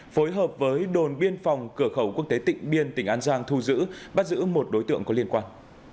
phối hợp với đồn biên phòng cửa khẩu quốc tế tịnh biên tỉnh an giang thu giữ bắt giữ một đối tượng có liên quan